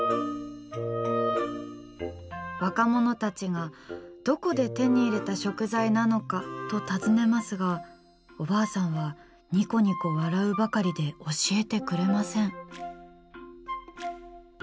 若者たちが、どこで手に入れた食材なのかと尋ねますがおばあさんはニコニコ笑うばかりで教えてくれません。